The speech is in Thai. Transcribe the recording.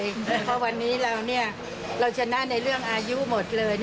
เพราะวันนี้เราชนะในเรื่องอายุหมดเลย